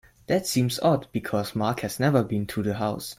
That seems odd because Mark has never been to the house.